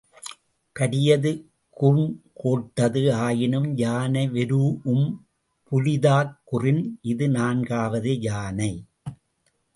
பரியது கூர்ங்கோட்டது ஆயினும் யானை வெரூஉம் புலிதாக் குறின் இது நான்காவது யானை.